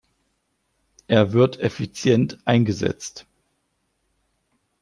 Er wird effizient eingesetzt.